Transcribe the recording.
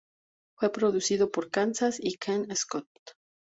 Fue producido por Kansas y Ken Scott.